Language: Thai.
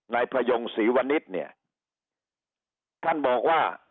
ในพยงศรีวณิษฐ์ท่านบอกว่า